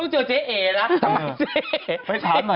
ต้องเจอเจ๊เอละ